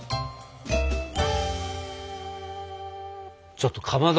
ちょっとかまど。